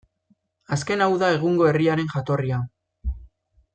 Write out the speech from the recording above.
Azken hau da egungo herriaren jatorria.